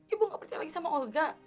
ibu gak percaya lagi sama olga